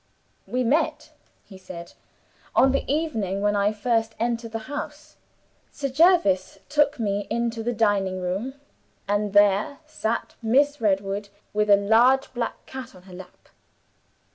"We met," he said, "on the evening when I first entered the house. Sir Jervis took me into the dining room and there sat Miss Redwood, with a large black cat on her lap.